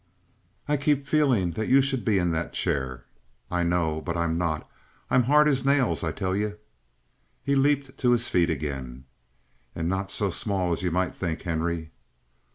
"I keep feeling that you should be in that chair." "I know. But I'm not. I'm hard as nails, I tell you." He leaped to his feet again. "And not so small as you might think, Henry!"